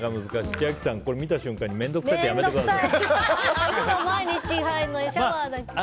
千秋さん、見た瞬間に面倒くさいってやめてください。